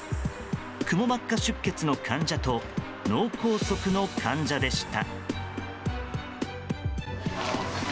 くも膜下出血の患者と脳梗塞の患者でした。